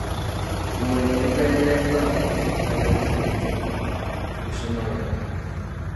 Omulimu gugendereddwamu kutegeka bayizi bayite bulungi mu lusoma lwonna.